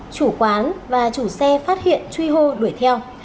chủ quán và chủ xe phát hiện truy hô đuổi theo